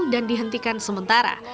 dan dihentikan sementara